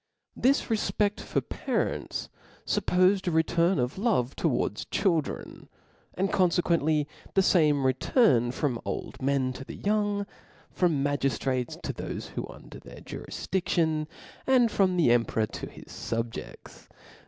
This refped for parents, fup pofed a return of love towards children, and con fequently the fame return from old men to the > young, from magiftrates to thole who were under their jurifdi£bion, and from the .emperor to his fubjeds.